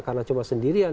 karena cuma sendirian